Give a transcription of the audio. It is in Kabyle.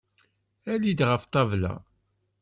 Ali-d ɣef ṭṭabla!